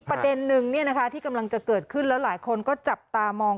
ประเด็นนึงที่กำลังจะเกิดขึ้นแล้วหลายคนก็จับตามอง